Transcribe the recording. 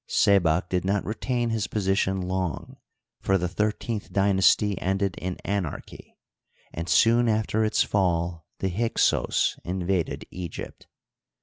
Sebak did not retain his position long, for the thirteenth dynasty ended in anarchy, and soon after its fall the Hyksos in vaded Egypt.